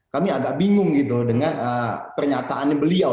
kami agak bingung gitu dengan pernyataannya beliau